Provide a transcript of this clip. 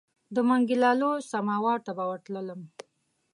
د منګي لالو سماوار ته به ورتللم.